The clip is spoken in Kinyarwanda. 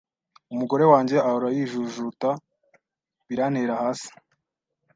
Umugore wanjye ahora yijujuta birantera hasi.